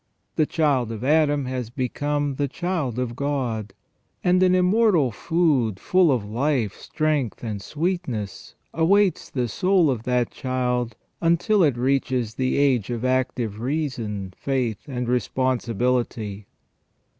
The child of Adam has become the child of God, and an immortal food, full of life, strength, and sweetness, awaits the soul of that child until it reaches the age of active reason, faith, and responsibiUty.